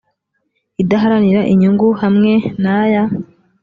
idaharanira inyungu hamwe n aya